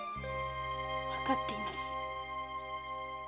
わかっています。